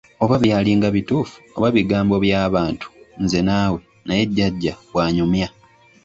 Oba byalinga bituufu, oba bigambo bya bantu nze naawe, naye Jjajja bw'anyumya.